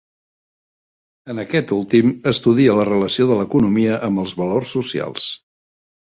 En aquest últim, estudia la relació de l'economia amb els valors socials.